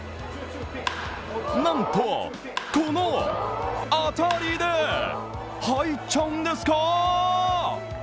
なんとこの当たりで、入っちゃうんですか？